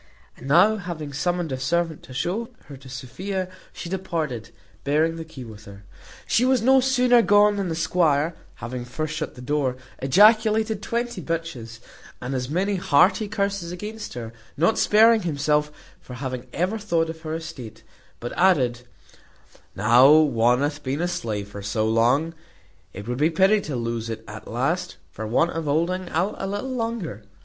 And now having summoned a servant to show her to Sophia, she departed, bearing the key with her. She was no sooner gone, than the squire (having first shut the door) ejaculated twenty bitches, and as many hearty curses against her, not sparing himself for having ever thought of her estate; but added, "Now one hath been a slave so long, it would be pity to lose it at last, for want of holding out a little longer.